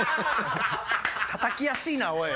たたきやすいなおい。